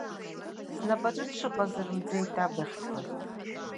Снапаҿы дшыҟаз рымӡеит абыӷьқәа.